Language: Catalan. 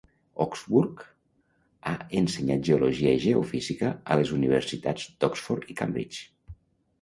Oxburgh ha ensenyat geologia i geofísica a les universitats d'Oxford i Cambridge.